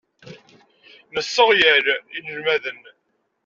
Nesseɣyal inelmaden.